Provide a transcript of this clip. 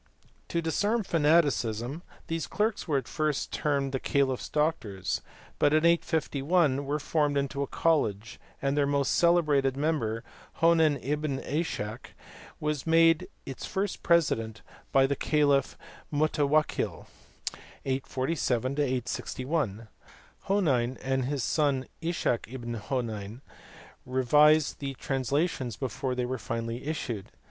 To disarm fanaticism these clerks were at first termed the caliph s doctors, but in 851 they were formed into a college, and their most celebrated member Honein ibn Ishak was made its first president by the caliph Mutawakkil (847 861). Hoiiein and his son Ishak ibn Honein revised the transla tions before they were finally issued.